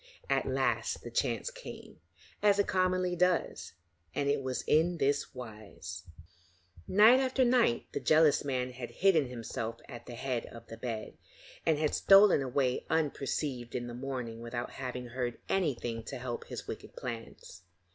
At last the chance came, as it commonly does, and it was in this wise: Night after night the jealous man had hidden himself at the head of the bed, and had stolen away unperceived in the morning without having heard anything to help his wicked plans.